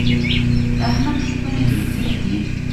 د احمد ستوری لوېدلی دی.